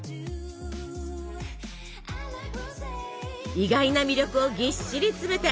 意外な魅力をぎっしり詰めて！